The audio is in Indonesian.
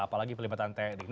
apalagi terlibat tni